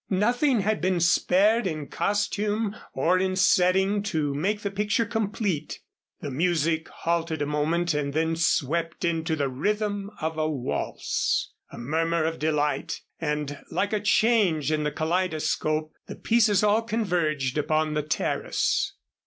Nothing had been spared in costume or in setting to make the picture complete. The music halted a moment and then swept into the rhythm of a waltz. A murmur of delight and like a change in the kaleidoscope the pieces all converged upon the terrace.